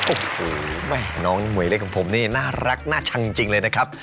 โอ้โหแม่น้องมวยเล็กของผมนี่น่ารักน่าชังจริงเลยนะครับ